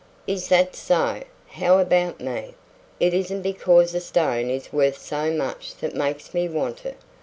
"Is that so? How about me? It isn't because a stone is worth so much that makes me want it.